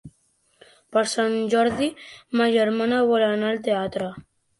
Per Sant Jordi ma germana vol anar al teatre.